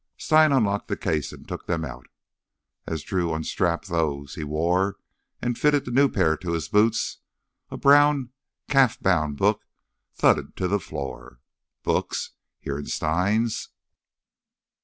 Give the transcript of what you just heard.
Stein unlocked the case and took them out. As Drew unstrapped those he wore and fitted the new pair to his boots, a brown, calf bound book thudded to the floor. Books—here in Stein's?